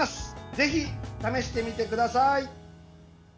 ぜひ、試してみてください。